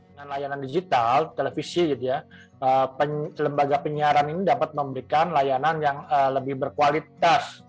dengan layanan digital televisi gitu ya lembaga penyiaran ini dapat memberikan layanan yang lebih berkualitas